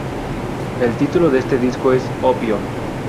El título de este disco es "Opio".